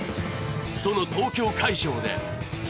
その東京会場で。